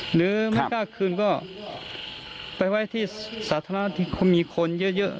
หรือไม่กล้าคืนก็ไปไว้ที่สาธารณะที่เขามีคนเยอะ